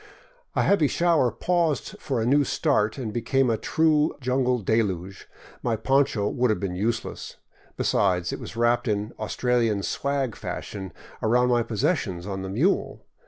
A heavy shower paused for a new start and became a true jungle deluge. My poncho would have been useless; besides, it was wrapped, in Australian " swag " style, around my pos sessions on the mule.